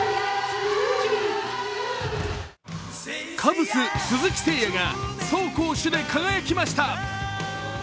カブス・鈴木誠也が走攻守で輝きました。